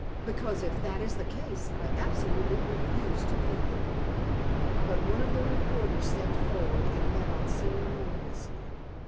Because, if that is the case, I absolutely refuse to feed them." But one of the reporters stepped forward and bowed ceremoniously.